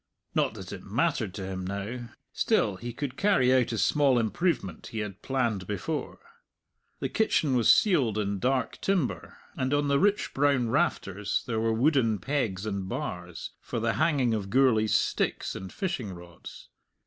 Not that it mattered to him now; still he could carry out a small improvement he had planned before. The kitchen was ceiled in dark timber, and on the rich brown rafters there were wooden pegs and bars, for the hanging of Gourlay's sticks and fishing rods.